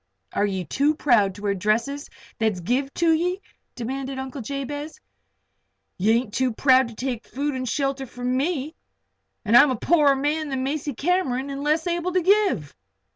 "Are ye too proud to wear dresses that's give to ye?" demanded Uncle Jabez. "Ye ain't too proud to take food and shelter from me. And I'm a poorer man than Macy Cameron an' less able to give."